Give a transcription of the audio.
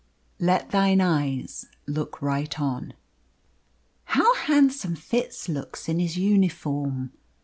Let thine eyes look right on. "How handsome Fitz looks in his uniform!"